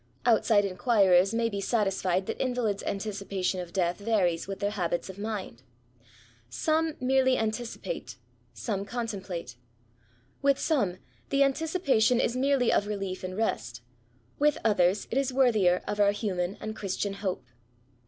Outside enquirers may be satisfied that invalids' anticipation of death varies with their habits of mind. Some merely anticipate ; some contemplate. With some^ the anticipation is merely of relief and rest j with others it is worthier of our human and Christian hope.